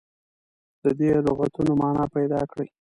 د دې لغتونو معنا پیداکړي.